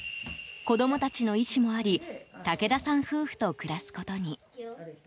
子供たちの意思もあり武田さん夫婦と暮らすことに。